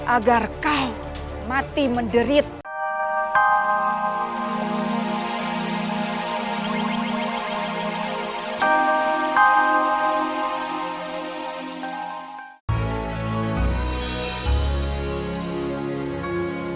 agar kau mati menderita